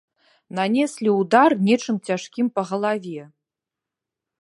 Нанеслі ўдар нечым цяжкім па галаве.